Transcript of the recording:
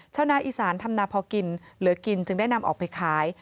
ชาวนาอีสานทำนาพอกินเหลือกินจึงได้นำออกไปขาย